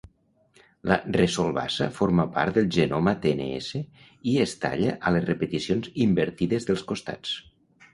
La resolvasa forma part del genoma tns i es talla a les repeticions invertides dels costats.